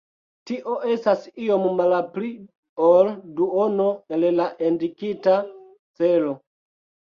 Tio estas iom malpli ol duono el la indikita celo.